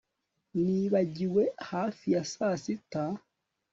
Nibagiwe hafi ya sasita